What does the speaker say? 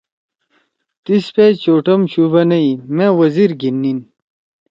تیس پیش ثوٹھم شُو بنَئی: ”مأ وزیر گھیِن نیِن۔